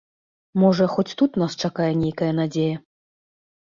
Можа, хоць тут нас чакае нейкая надзея.